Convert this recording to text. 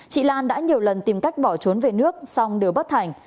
chị lan đã nhiều lần tìm cách bỏ trốn về nước song đều bất thành